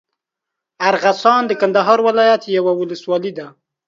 ارغسان د کندهار ولايت یوه اولسوالي ده.